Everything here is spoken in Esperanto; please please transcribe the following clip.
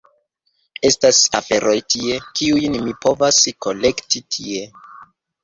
Estas aferoj tie, kiujn mi povas kolekti tie…